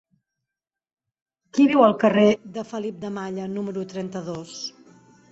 Qui viu al carrer de Felip de Malla número trenta-dos?